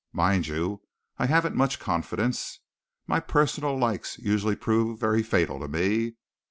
Mind you, I haven't much confidence. My personal likes usually prove very fatal to me.